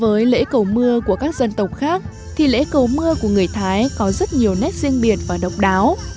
so với lễ cầu mưa của các dân tộc khác thì lễ cầu mưa của người thái có rất nhiều nét riêng biệt và độc đáo